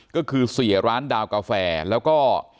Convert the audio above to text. ก็คือเสียร้านดาวกาแฟแล้วก็